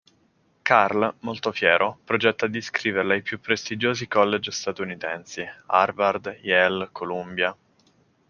Carl, molto fiero, progetta di iscriverlo ai più prestigiosi college statunitensi: Harvard, Yale, Columbia...